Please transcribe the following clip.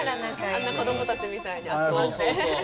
あんな子どもたちみたいに集まって。